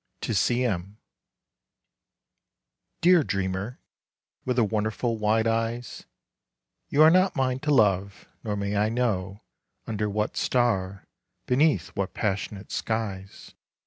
26 TO C. M. DEAR dreamer, with the wonderful wide eyes, You are not mine to love, nor may I know Under what star, beneath what passionate skies.